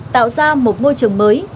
tạo ra một môi trường mới